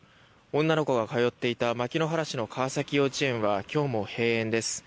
女の子が通っていた牧之原市の川崎幼稚園は今日も閉園です。